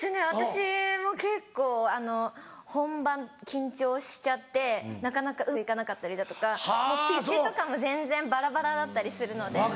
私も結構本番緊張しちゃってなかなかうまく行かなかったりだとかもうピッチとかも全然バラバラだったりするので。